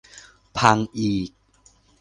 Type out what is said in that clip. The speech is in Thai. พังอีก